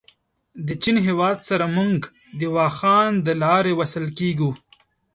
د چین هېواد سره موږ د واخان دلاري وصل کېږو.